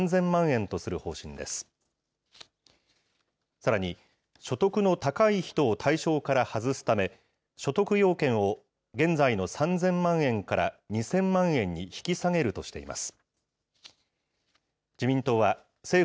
さらに、所得の高い人を対象から外すため、所得要件を現在の３０００万円から２０００万円に引き下げるとしています。